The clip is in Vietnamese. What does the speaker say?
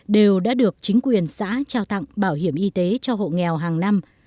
đều đã được chính quyền xã trao tặng bảo hiểm y tế cho hộ nghèo hàng năm